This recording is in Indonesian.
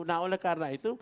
nah oleh karena itu